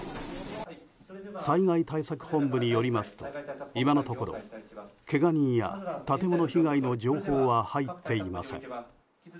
災害対策本部によりますと今のところけが人や建物被害の情報は入っていません。